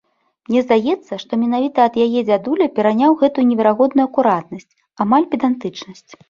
Мне здаецца, што менавіта ад яе дзядуля пераняў гэтую неверагодную акуратнасць, амаль педантычнасць.